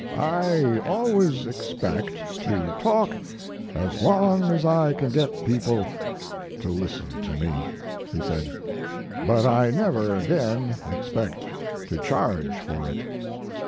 "I always expect to talk as long as I can get people to listen to me," he sand, "but I never again expect to charge for it."